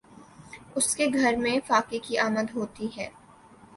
اس کے گھر میں فاقے کی آمد ہوتی ہے